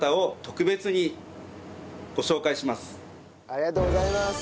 ありがとうございます！